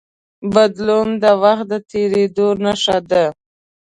بدلون د وخت د تېرېدو نښه ده.